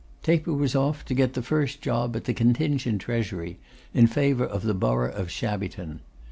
Taper was off to get the first job at the contingent Treasury, in favour of the Borough of Shabbyton.